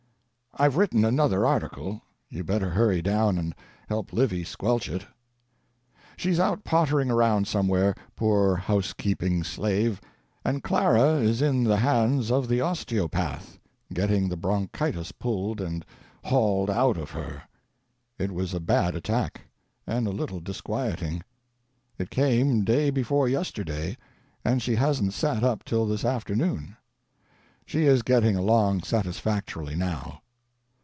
IVe written another article; you better hurry down and help Livy squelch it. She's out pottering around somewhere, poor house keeping slave ; and Clara is in the hands of the osteopath. getting the bronchitis pulled and hauled out of her. It was a bad attack, and a little disqtiieting. It came day before yesterday, and she hasn't sat up till this afternoon. She is getting dong satisfactorily, now.